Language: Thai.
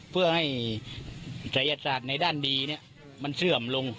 เพื่อให้ศัยศาสตร์ในด้านดีมันเสื่อมลง